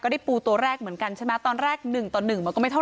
โอ้ยได้อีกตัวแล้วครับได้อีกตัวแล้วครับผม